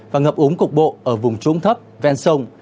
và ngập úng cục bộ ở vùng trũng thấp ven sông